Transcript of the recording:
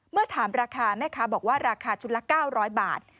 เมื่อถามราคาแม่ค้าบอกว่าราคาชุดละ๙๐๐บาท